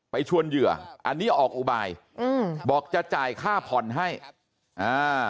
ไปชวนเหยื่ออันนี้ออกอุบายอืมบอกจะจ่ายค่าผ่อนให้อ่า